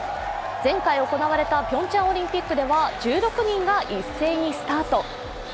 前回行われたピョンチャンオリンピックでは１６人が一斉にスタート。